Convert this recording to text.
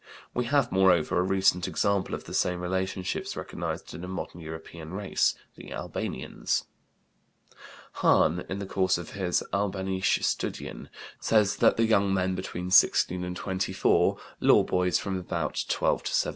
We have, moreover, a recent example of the same relationships recognized in a modern European race the Albanians. Hahn, in the course of his Albanische Studien (1854, p. 166), says that the young men between 16 and 24 lore boys from about 12 to 17.